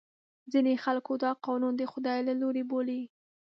ځینې خلکو دا قانون د خدای له لورې بولي.